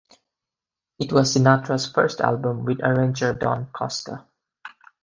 It was Sinatra's first album with arranger Don Costa.